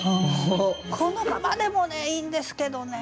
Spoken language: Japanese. このままでもいいんですけどね。